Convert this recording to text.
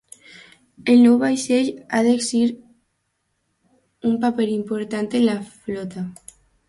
El nou vaixell ha d'exercir un paper important en la flota.